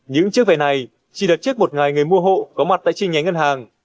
những chiếc vé này chỉ đặt trước một ngày người mua hộ có mặt tại chi nhánh ngân hàng